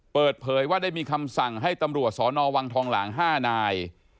เปิดเผยว่าได้มีคำสั่งให้ตำรวจสนวังทองหลาง๕นาย